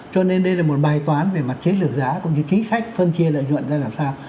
cho nên đây là một bài toán về mặt chiến lược giá cũng như chính sách phân chia lợi nhuận ra làm sao